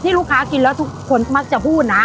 ลูกค้ากินแล้วทุกคนมักจะพูดนะ